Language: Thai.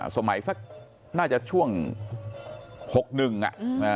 สมัยสักน่าจะช่วง๖๑อ่ะ